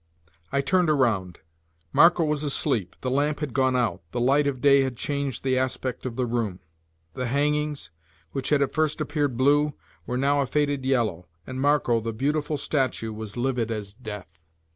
I turned around. Marco was asleep, the lamp had gone out, the light of day had changed the aspect of the room; the hangings, which had at first appeared blue, were now a faded yellow, and Marco, the beautiful statue, was livid as death.